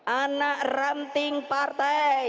anak ranting partai